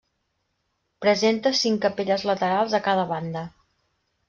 Presenta cinc capelles laterals a cada banda.